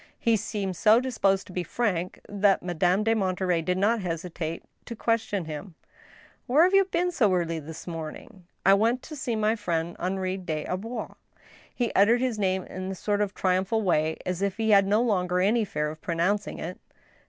He seemed so disposed to be frank, that Madame de Monterey did not hesitate to question him :" Where have you been so early this morning ?"" I went to see my friend Henri des Arbois." He uttered this name in a sort of triumphal way, as if he had no longer any fear of pronouncing it.